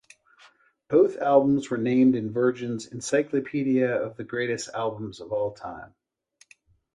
Both albums were named in Virgin's "Encyclopaedia of the Greatest Albums of All Time".